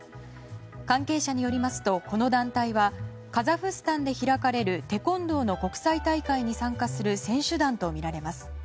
関係者によりますと、この団体はカザフスタンで開かれるテコンドーの国際大会に参加する選手団とみられます。